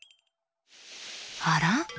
あら？